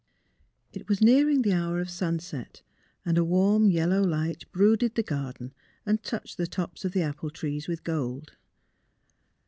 It was nearing the hour of sunset and a warm yellow light brooded the garden and touched the tops of the apple trees with gold.